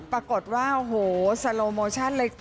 ปรากฏว่าโอ้โหสโลโมชั่นเลย